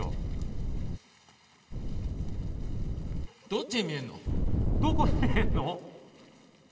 どっちに見えんの？